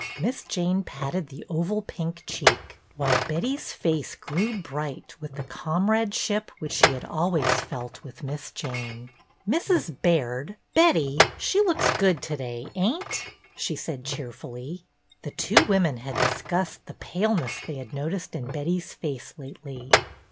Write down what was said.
Miss Jane patted the oval pink cheek, while Betty's face grew bright with the comradeship which she had always felt with Miss Jane. THE GOODS AND THE PATTERN 21 1 "Mrs. Baird, Betty she looks good to day, ain't ?" she said cheerfully. The two women had discussed the paleness they had noticed in Betty's face lately.